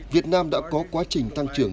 việt nam đã có quá trình tăng trưởng